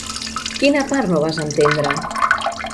Quina part no vas entendre?